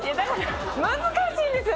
難しいんですよ